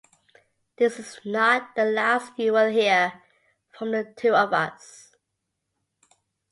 This is not the last you will hear from the two of us.